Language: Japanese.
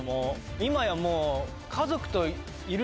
今やもう。